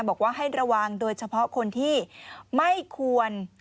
บอกว่าให้ระวังโดยเฉพาะคนที่ไม่ควร